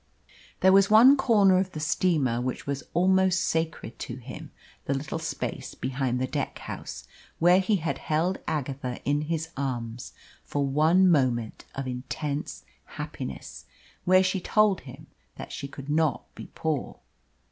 There was one corner of the steamer which was almost sacred to him the little space behind the deckhouse where he had held Agatha in his arms for one moment of intense happiness where she told him that she could not be poor.